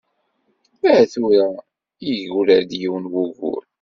Ar tura yeggra-d yiwen wugur.